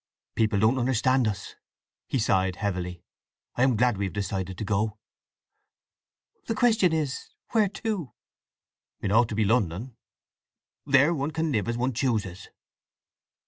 "People don't understand us," he sighed heavily. "I am glad we have decided to go." "The question is, where to?" "It ought to be to London. There one can live as one chooses."